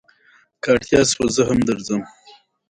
افغانستان کې د کلتور په اړه زده کړه کېږي.